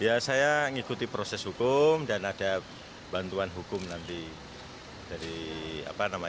ya saya mengikuti proses hukum dan ada bantuan hukum nanti dari apa namanya